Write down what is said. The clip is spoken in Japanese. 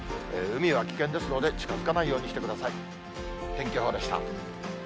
海は危険ですので近づかないようにしてください。